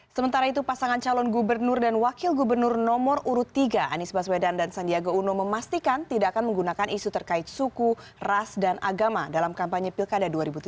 sementara itu pasangan calon gubernur dan wakil gubernur nomor urut tiga anies baswedan dan sandiaga uno memastikan tidak akan menggunakan isu terkait suku ras dan agama dalam kampanye pilkada dua ribu tujuh belas